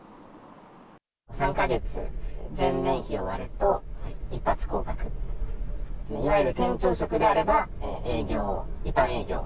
３か月、前年比を割ると、一発降格。いわゆる店長職であれば、営業、一般営業。